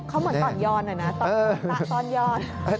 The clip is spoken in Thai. เขาเหมือนตอนย้อนหน่อยนะตอนยอด